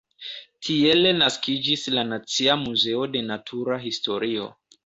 Tiele naskiĝis la Nacia Muzeo de Natura Historio.